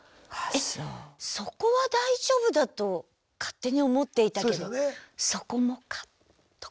えっそこは大丈夫だと勝手に思っていたけどそこもかとか。